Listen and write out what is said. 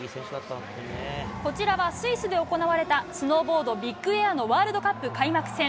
こちらはスイスで行われたスノーボードビッグエアのワールドカップ開幕戦。